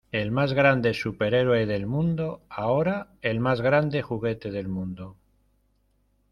¡ El mas grande súper héroe del mundo, ahora el mas grande juguete del mundo!